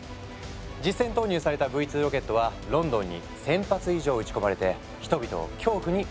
実戦投入された「Ｖ２ロケット」はロンドンに１，０００発以上撃ち込まれて人々を恐怖に陥れたんだ。